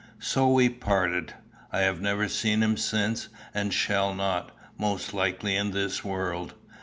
So we parted. I have never seen him since, and shall not, most likely, in this world.